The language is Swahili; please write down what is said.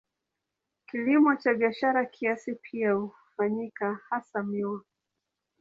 Kilimo cha kibiashara kiasi pia hufanyika, hasa miwa.